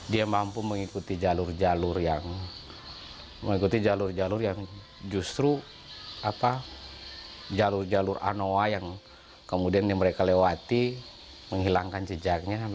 dia mampu mengikuti jalur jalur yang justru jalur jalur anoa yang kemudian mereka lewati menghilangkan jejaknya